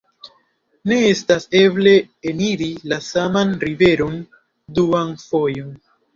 ne estas eble eniri la saman riveron duan fojon.